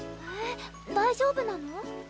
え大丈夫なの？